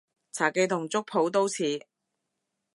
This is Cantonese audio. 茶記同粥舖都似